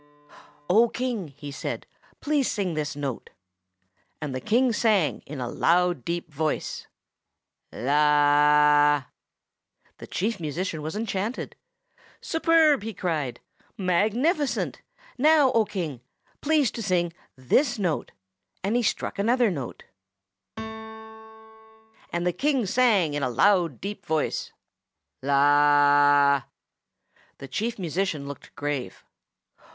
"O King," he said, "please sing this note." And the King sang, in a loud, deep voice, The Chief Musician was enchanted. "Superb!" he cried. "Magnificent! Now, O King, please to sing this note!" and he struck another note: The King sang, in a loud, deep voice, The Chief Musician looked grave.